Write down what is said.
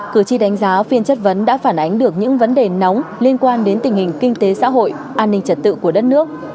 cử tri đánh giá phiên chất vấn đã phản ánh được những vấn đề nóng liên quan đến tình hình kinh tế xã hội an ninh trật tự của đất nước